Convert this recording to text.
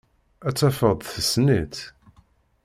Ad tafeḍ tessen-itt.